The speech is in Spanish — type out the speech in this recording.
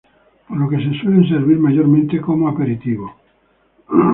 Por lo que se suele servir mayormente como aperitivo.